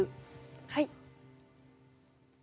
はい。